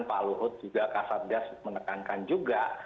pak luhut juga kasabgas menekankan juga